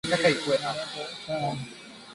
viazi lishe vina ladha tamu